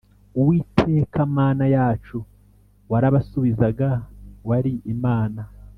uwiteka mana yacu warabasubizaga wari imana